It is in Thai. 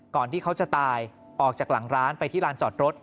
ที่เขาจะตายออกจากหลังร้านไปที่ลานจอดรถ